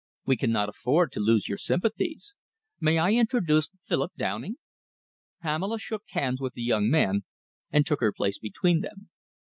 We cannot afford to lose your sympathies. May I introduce Philip Downing?" Pamela shook hands with the young man and took her place between them.